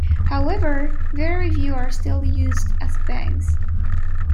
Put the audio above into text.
However, very few are still used as banks.